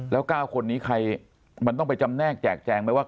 แล้ว๙คนนี้ใครมันต้องไปจำแนกแจกแจงไหมว่า